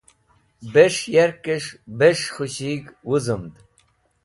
Bes̃h yarkẽsh bes̃h khushig̃h wũzumd.